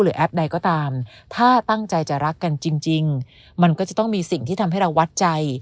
แอปใดก็ตามถ้าตั้งใจจะรักกันจริงมันก็จะต้องมีสิ่งที่ทำให้เราวัดใจ